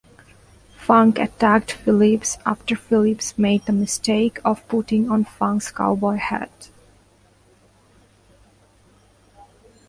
Funk attacked Phillips, after Phillips made the mistake of putting on Funk's cowboy hat.